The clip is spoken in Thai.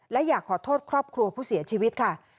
และอยากขอโทษครอบครัวผู้เสียชีวิตค่ะ